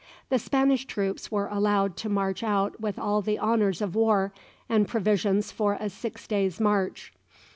The Spanish troops were allowed to march out with all the honours of war, and provisions for a six days' march.